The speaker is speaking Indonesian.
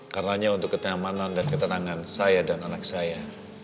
karenanya untuk kenyamanan dan ketenangan saya dan anak saya